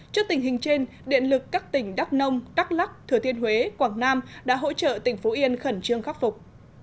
trước tình hình trên điện lực các tỉnh đắk nông đắk lắc thừa thiên huế quảng nam đã hỗ trợ tỉnh phú yên khẩn trương khắc phục